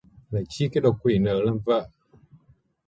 Lấy chi cái đồ quỷ nớ làm vợ